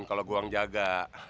kalo gua yang jaga